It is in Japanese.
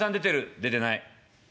「出てない」。